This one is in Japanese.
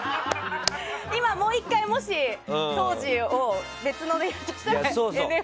今もう１回、もし当時のを別のでやるとしたら「ＮＦＬ倶楽部」で。